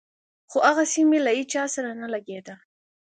خو هغسې مې له هېچا سره نه لګېده.